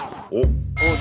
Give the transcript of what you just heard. おっ。